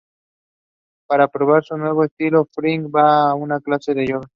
Para probar su nuevo estilo, Frink va a una clase de yoga.